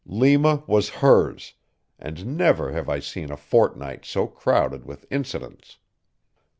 Lima was hers, and never have I seen a fortnight so crowded with incidents.